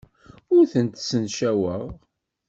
Ur tent-ssencaweɣ.